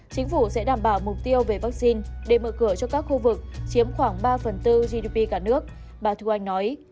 chính phủ sẽ đảm bảo mục tiêu về vaccine để mở cửa cho các khu vực chiếm khoảng ba bốn gdp cả nước bà thu anh nói